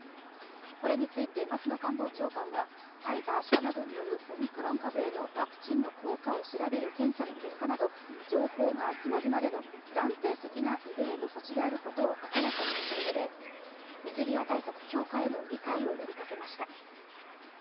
これについて松野官房長官はファイザー社などによるオミクロン株へのワクチンの効果を調べる検査の結果など情報が集まるまでの暫定的な異例の措置であることを明らかにしたうえで水際対策強化への理解を呼びかけました。